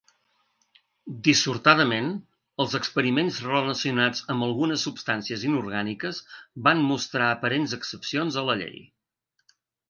Dissortadament, els experiments relacionats amb algunes substàncies inorgàniques van mostrar aparents excepcions a la llei.